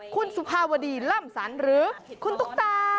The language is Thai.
คุณสุภาวดีล่ำสันหรือคุณตุ๊กตา